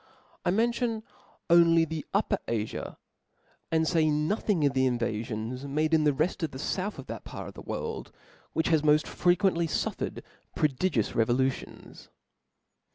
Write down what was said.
I mention only the Upper Afia, and fay nothing of the invafiow made in the reft of the fouth of that part of the worlds O F L A W a. 595 world, which has moft frequently fuflered prodI 'J^jl'^ gious revolutions.